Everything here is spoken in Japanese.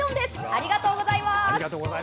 ありがとうございます。